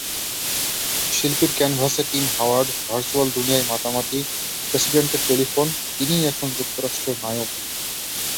শিল্পীর ক্যানভাসে Tim Howard, virtual দুনিয়ায় মাতামাতি, প্রেসিডেন্টের টেলিফোন—তিনিই এখন যুক্তরাষ্ট্রের নায়ক।